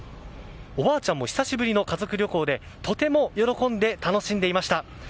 おばあちゃんも久しぶりの家族旅行でとても喜んで楽しんでいました。